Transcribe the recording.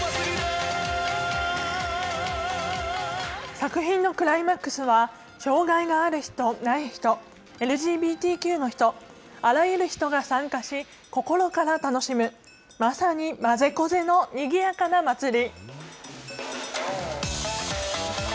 作品のクライマックスは、障害がある人、ない人、ＬＧＢＴＱの人、あらゆる人が参加し、心から楽しむ、まさにまぜこぜのにぎやかな祭り。